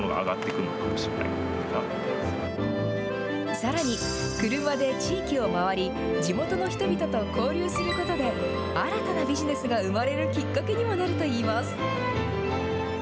さらに、車で地域を回り、地元の人々と交流することで、新たなビジネスが生まれるきっかけにもなるといいます。